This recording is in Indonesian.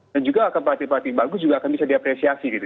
dan juga akan partai parti bagus juga akan bisa diapresiasi gitu